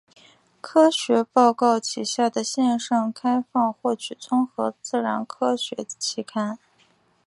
科学报告旗下的线上开放获取综合自然科学期刊。